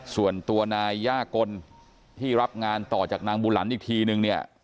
ส่วนตัวนายย่ากลที่รับงานต่อจากนางบุหลันอีกทีนึงเนี่ย